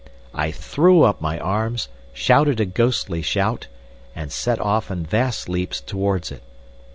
I threw up my arms, shouted a ghostly shout, and set off in vast leaps towards it.